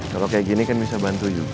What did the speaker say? kalau kayak gini kan bisa bantu juga